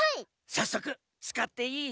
さっそくつかっていい？